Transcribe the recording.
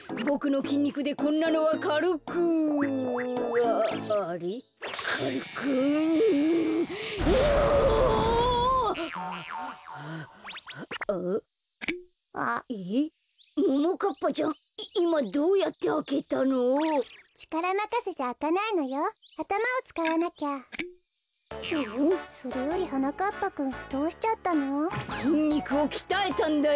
きんにくをきたえたんだよ。